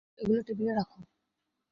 ওহ, এগুলো টেবিলে রাখো।